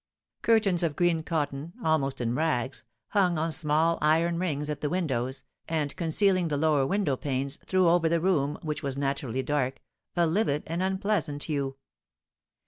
Curtains of green cotton, almost in rags, hung on small iron rings at the windows, and, concealing the lower window panes, threw over the room, which was naturally dark, a livid and unpleasant hue.